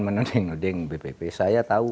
menuding nuding bpp saya tahu